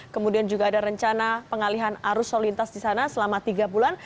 kemudian juga ada rencana pengalihan arus solintas di sana selama tiga bulan